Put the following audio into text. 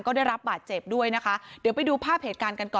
ก็ได้รับบาดเจ็บด้วยนะคะเดี๋ยวไปดูภาพเหตุการณ์กันก่อน